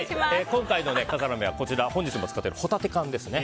今回の笠原の眼は本日も使っているホタテ缶です。